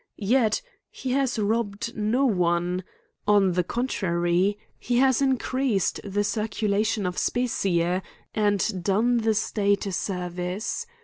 — yet, he has robbed no one : on the contrary, he has increased the circulation of specie, and done the state a ser vice.